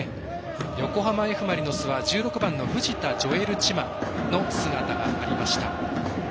横浜Ｆ・マリノスは１６番の藤田譲瑠チマの姿がありました。